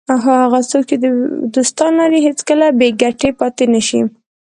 هغه څوک چې دوستان لري هېڅکله بې ګټې پاتې نه شي.